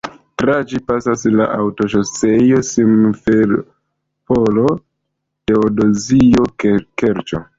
Tra ĝi pasas la aŭtoŝoseo Simferopolo-Teodozio-Kerĉo.